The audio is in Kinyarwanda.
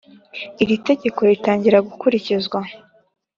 iri tegeko ritangira gukurikizwa